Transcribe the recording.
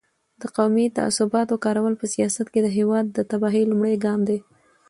د قومي تعصباتو کارول په سیاست کې د هېواد د تباهۍ لومړی ګام دی.